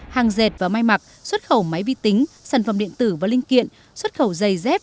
hàng dệt và may mặc xuất khẩu máy vi tính sản phẩm điện tử và linh kiện xuất khẩu dây dép